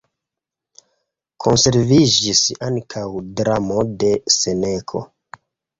Konserviĝis ankaŭ dramo de Seneko.